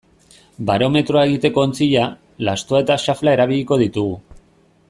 Barometroa egiteko ontzia, lastoa eta xafla erabiliko ditugu.